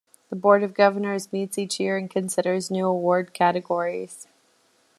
The Board of Governors meets each year and considers new award categories.